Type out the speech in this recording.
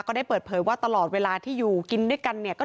ก็ได้เปิดเผยว่าตลอดเวลาที่อยู่กินด้วยกันเนี่ย